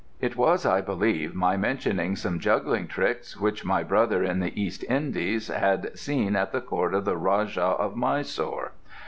It was, I believe, my mentioning some juggling tricks which my brother in the East Indies had seen at the court of the Rajah of Mysore.